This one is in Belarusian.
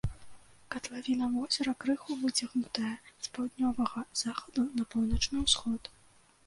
Катлавіна возера крыху выцягнутая з паўднёвага захаду на паўночны ўсход.